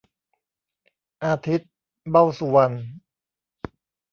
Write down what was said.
อาทิตย์ เบ้าสุวรรณ